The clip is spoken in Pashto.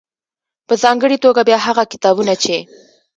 .په ځانګړې توګه بيا هغه کتابونه چې